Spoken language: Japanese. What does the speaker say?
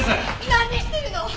何してるの！